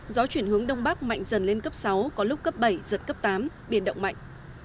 gió chuyển hướng đông bắc mạnh dần lên cấp sáu có lúc cấp bảy giật cấp tám biển động mạnh